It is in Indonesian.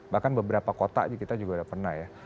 bahkan beberapa kota kita juga sudah pernah ya